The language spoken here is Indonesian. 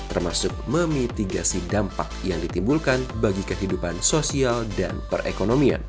termasuk memitigasi dampak yang ditimbulkan bagi kehidupan sosial dan perekonomian